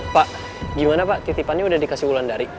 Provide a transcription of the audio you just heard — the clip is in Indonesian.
pak gimana pak titipannya udah dikasih wulan dari